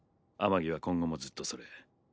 アマギは今後もずっとそれ。